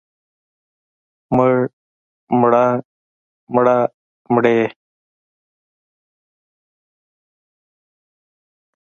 مړ، مړه، مړه، مړې.